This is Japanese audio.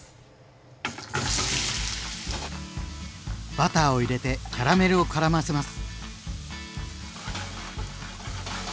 バターを入れてキャラメルをからませます。